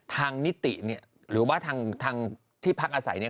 นิติเนี่ยหรือว่าทางที่พักอาศัยเนี่ย